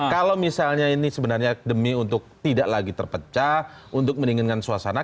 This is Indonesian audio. kalau misalnya ini sebenarnya demi untuk tidak lagi terpecah untuk mendinginkan suasana